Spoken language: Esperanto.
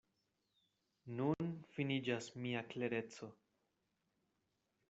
Nun finiĝas mia klereco.